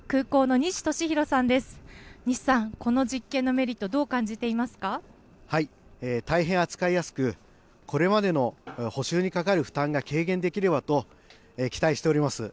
西さん、この実験のメリット、ど大変扱いやすく、これまでの補修にかかる負担が軽減できればと期待しております。